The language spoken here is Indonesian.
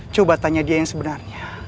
coba tanya dia yang sebenarnya